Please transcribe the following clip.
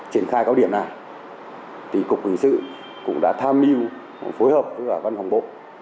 trên khai cao điểm này thì cục quỳnh sự cũng đã tham mưu phối hợp với văn phòng bộ